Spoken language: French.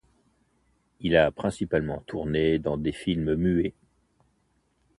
Il a principalement tourné dans des films muets.